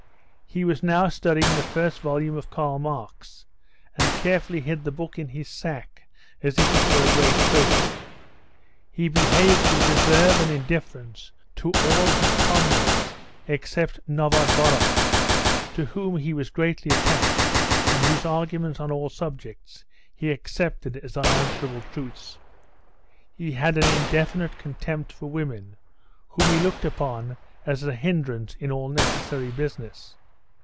He was now studying the first volume of Karl Marks's, and carefully hid the book in his sack as if it were a great treasure. He behaved with reserve and indifference to all his comrades, except Novodvoroff, to whom he was greatly attached, and whose arguments on all subjects he accepted as unanswerable truths. He had an indefinite contempt for women, whom he looked upon as a hindrance in all necessary business.